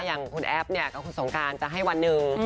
อย่างคุณแอฟเนี่ยกับคุณสงการจะให้วันหนึ่ง